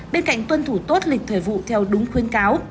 bên cạnh tuân thủ tốt lịch thời vụ theo đúng khuyên cáo